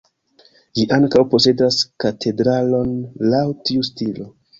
Ĝi ankaŭ posedas katedralon laŭ tiu stilo.